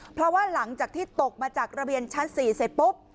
เพราะว่าหลังจากที่ตกมาจากระเบียงชั้น๔เสร็จปุ๊บ